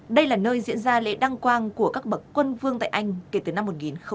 đây là nơi diễn ra lễ đăng quang của các bậc quân vương tại anh kể từ năm một nghìn sáu mươi sáu